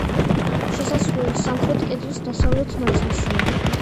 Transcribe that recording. შესასვლელი სამხრეთ კედლის დასავლეთ ნაწილშია.